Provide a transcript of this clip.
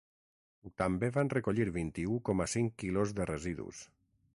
També van recollir vint-i-u coma cinc quilos de residus.